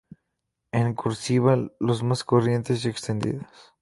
En "cursiva", los más corrientes y extendidos